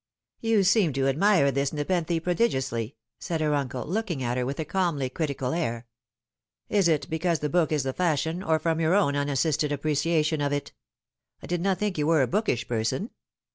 " You seem to admire this Nepenthe prodigiously," said her uncle, looking at her with a cahnly critical air. " Is it because the book is the fashion, or from your own unassisted appreciation of it ? I did not think you were a bookish person."